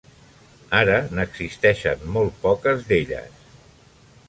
Ara n'existeixen molt poques d'elles.